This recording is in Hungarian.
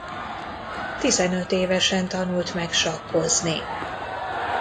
Tizenöt évesen tanult meg sakkozni.